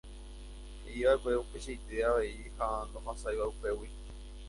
he'iva'ekue upeichaite avei ha ndohasáiva upégui.